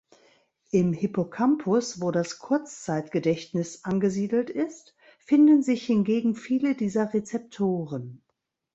Im Hippocampus, wo das Kurzzeitgedächtnis angesiedelt ist, finden sich hingegen viele dieser Rezeptoren.